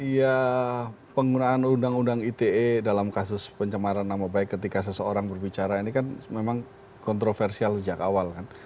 ya penggunaan undang undang ite dalam kasus pencemaran nama baik ketika seseorang berbicara ini kan memang kontroversial sejak awal kan